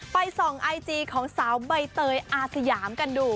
ส่องไอจีของสาวใบเตยอาสยามกันดู